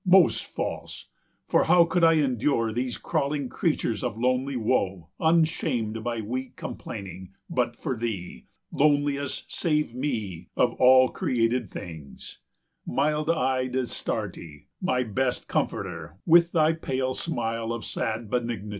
most false! for how could I endure These crawling centuries of lonely woe Unshamed by weak complaining, but for thee, Loneliest, save me, of all created things, Mild eyed Astarte, my best comforter, 330 With thy pale smile of sad benignity?